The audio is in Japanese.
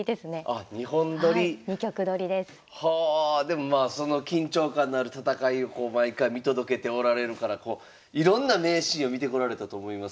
でもまあその緊張感のある戦いを毎回見届けておられるからいろんな名シーンを見てこられたと思いますから。